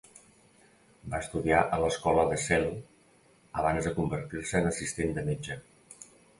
Va estudiar a l'escola de Celle abans de convertir-se en assistent de metge.